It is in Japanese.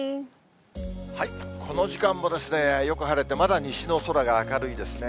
この時間も、よく晴れて、まだ西の空が明るいですね。